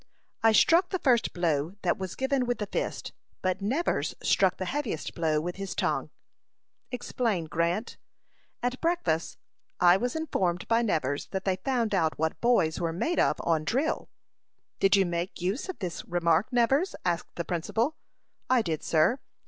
"I struck the first blow that was given with the fist, but Nevers struck the heaviest blow with his tongue." "Explain, Grant." "At breakfast I was informed by Nevers that they found out what boys were made of on drill." "Did you make use of this remark, Nevers?" asked the principal. "I did, sir."